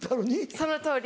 そのとおりです。